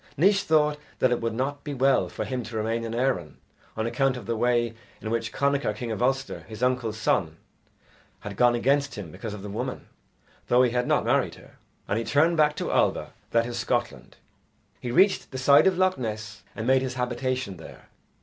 Naois thought that it would not be well for him to remain in Erin on account of the way in which Connachar, king of Ulster, his uncle's son, had gone against him because of the woman, though he had not married her; and he turned back to Alba, that is, Scotland. He reached the side of Loch Ness and made his habitation there.